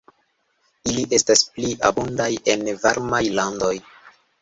Ili estas pli abundaj en varmaj landoj.